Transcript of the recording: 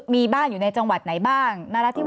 มีบ้านอยู่ในจังหวัดไหนบ้าง